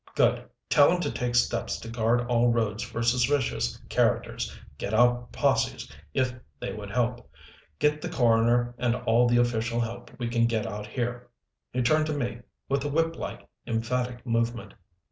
"Good. Tell him to take steps to guard all roads for suspicious characters. Get out posses, if they would help. Get the coroner and all the official help we can get out here." He turned to me, with a whip like, emphatic movement.